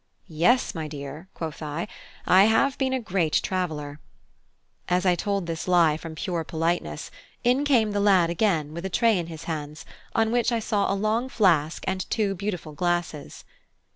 "Yes, my dear," quoth I, "I have been a great traveller." As I told this lie from pure politeness, in came the lad again, with a tray in his hands, on which I saw a long flask and two beautiful glasses.